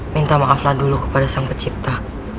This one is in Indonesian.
minta maaflah dulu kepada sang pencipta